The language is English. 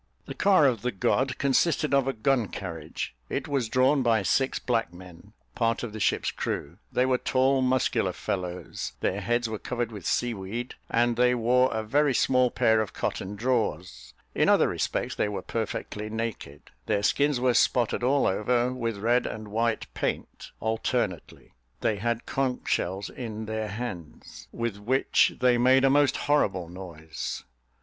The car of the god consisted of a gun carriage: it was drawn by six black men, part of the ship's crew: they were tall muscular fellows, their heads were covered with sea weed, and they wore a very small pair of cotton drawers: in other respects they were perfectly naked; their skins were spotted all over with red and white paint alternately; they had conch shells in their hands, with which they made a most horrible noise.